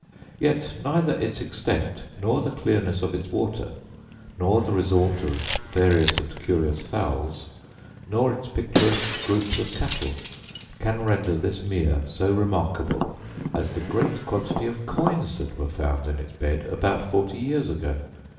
Yet neither its extent, nor the clearness of its water, nor the resort of various and curious fowls, nor its picturesque groups of cattle, can render this meer so remarkable as the great quantity of coins that were found in its bed about forty years ago.